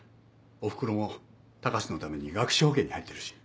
お袋も高志のために学資保険に入ってるし。